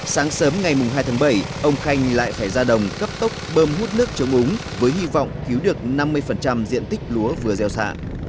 sáng sớm ngày hai tháng bảy ông khanh lại phải ra đồng cấp tốc bơm hút nước chống úng với hy vọng cứu được năm mươi diện tích lúa vừa gieo xạ